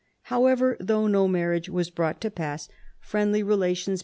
However, though no marriage was brought to pass, friendly relations OLD AGE.